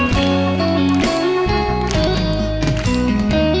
ขอบคุณค่ะ